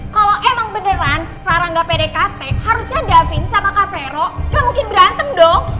kalau emang beneran rara gak pede katek harusnya davin sama kak vero gak mungkin berantem dong